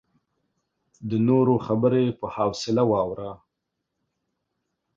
د نورو خبرې په حوصله واوره.